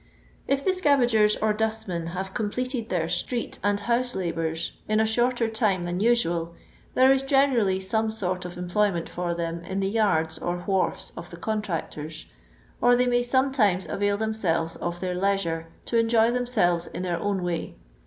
If the scavagers or dustmen have completed their street and house labours in a shorter time than usual, there is generally some sort of em ployment for them in the yards or wharfs of the contractors, or they may sometimes avail them selves of their leisure to enjoy themselves in their own way.